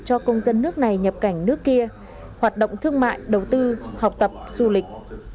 cho công dân nước này nhập cảnh nước kia hoạt động thương mại đầu tư học tập du lịch